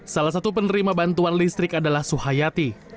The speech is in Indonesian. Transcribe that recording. salah satu penerima bantuan listrik adalah suhayati